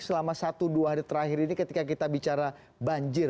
selama satu dua hari terakhir ini ketika kita bicara banjir